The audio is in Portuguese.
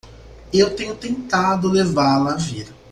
Eu tenho tentado levá-la a vir.